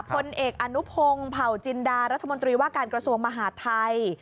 พลเอกอนุพงศ์เผาจินดารัฐมนตรีว่าการกระทรวงมหาดไทย